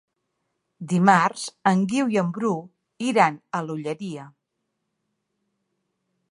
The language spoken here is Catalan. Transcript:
Dimarts en Guiu i en Bru iran a l'Olleria.